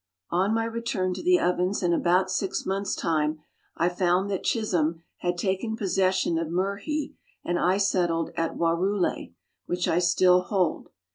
On my return to the Ovens in about six months' time, I found that Chisholm had taken possession of Myrrhee, and I settled at Warrouley, which I still hold.